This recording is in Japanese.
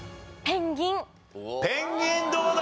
ペンギンどうだ？